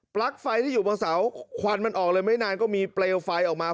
ลั๊กไฟที่อยู่บนเสาควันมันออกเลยไม่นานก็มีเปลวไฟออกมา